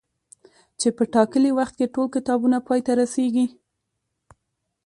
چي په ټاکلي وخت کي ټول کتابونه پاي ته رسيږي